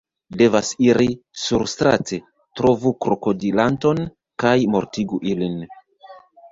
Devas iri surstrate, trovu krokodilanton kaj mortigu ilin